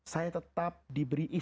saya tetap diberi istrinya